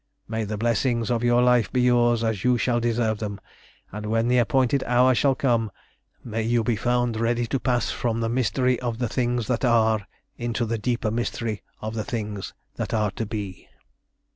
"May the blessings of life be yours as you shall deserve them, and when the appointed hour shall come, may you be found ready to pass from the mystery of the things that are into the deeper mystery of the things that are to be!"